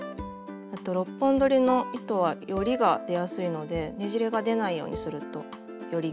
あと６本どりの糸はよりが出やすいのでねじれが出ないようにするとよりきれいです。